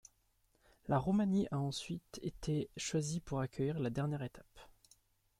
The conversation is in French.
La Roumanie a ensuite été choisie pour accueillir la dernière étape.